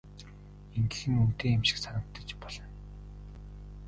Ингэх нь үнэтэй юм шиг санагдаж болно.